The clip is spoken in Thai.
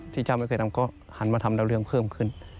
เจ้าไม่เคยทำก็หันมาทำแล้วเรื่องเพิ่มขึ้น